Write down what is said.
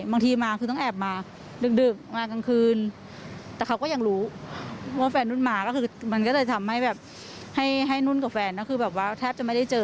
บางทีมาคือต้องแอบมาดึกมากลางคืนแต่เขาก็ยังรู้ว่าแฟนนุ่นมาก็คือมันก็เลยทำให้แบบให้นุ่นกับแฟนก็คือแบบว่าแทบจะไม่ได้เจอ